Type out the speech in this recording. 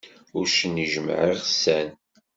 Uccen ijemmeɛ iɣessan.